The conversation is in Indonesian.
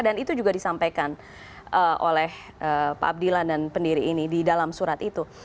dan itu juga disampaikan oleh pak abdilan dan pendiri ini di dalam surat itu